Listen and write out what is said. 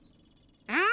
うん！